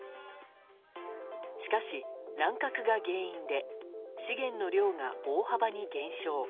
しかし乱獲が原因で資源の量が大幅に減少。